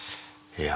いや。